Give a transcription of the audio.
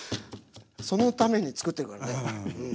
そのために作ってるからね。